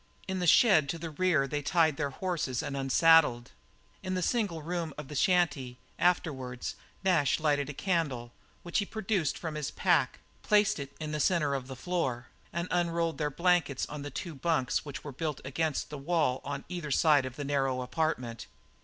In the shed to the rear they tied the horses and unsaddled. In the single room of the shanty, afterward, Nash lighted a candle, which he produced from his pack, placed it in the centre of the floor, and they unrolled their blankets on the two bunks which were built against the wall on either side of the narrow apartment.